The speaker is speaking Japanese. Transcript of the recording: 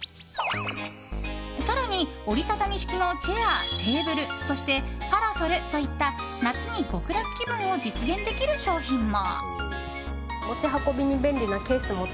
更に折り畳み式のチェア、テーブルそしてパラソルといった夏に極楽気分を実現できる商品も。